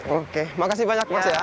oke makasih banyak mas ya